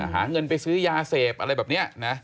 หาเงินไปซื้อยาเสพอะไรแบบนี้นะ